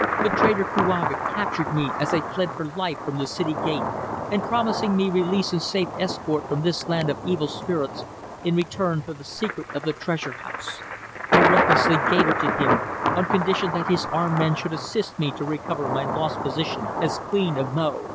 The traitor Kouaga captured me as I fled for life from the city gate, and promising me release and safe escort from this land of evil spirits in return for the secret of the Treasure house, I recklessly gave it to him, on condition that his armed men should assist me to recover my lost position as Queen of Mo.